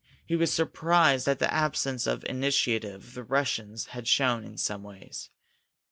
He was surprised at the absence of initiative the Russians had shown in some ways.